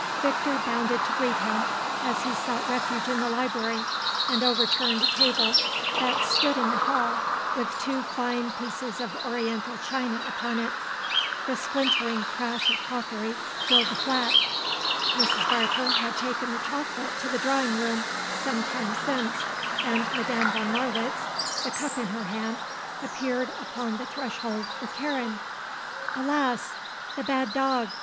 Victor bounded to greet him as he sought refuge in the library, and overturned a table that stood in the hall with two fine pieces of oriental china upon it. The splintering crash of crockery filled the flat. Mrs. Barker had taken the chocolate to the drawing room some time since, and Madame von Marwitz, the cup in her hand, appeared upon the threshold with Karen. "Alas! The bad dog!"